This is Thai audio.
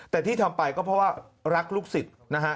แต่ที่ทำไปก็เพราะว่ารักลูกศิษย์นะฮะ